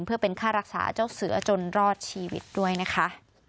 เพื่อเป็นค่ารักษาเจ้าเสือจนรอดชีวิตด้วยนะคะ